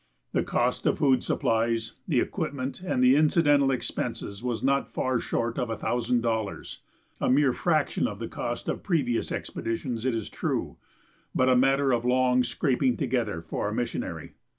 The cost of the food supplies, the equipment, and the incidental expenses was not far short of a thousand dollars a mere fraction of the cost of previous expeditions, it is true, but a matter of long scraping together for a missionary.